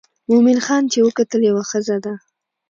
مومن خان چې وکتل یوه ښځه ده.